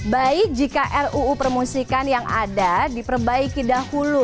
baik jika ruu permusikan yang ada diperbaiki dahulu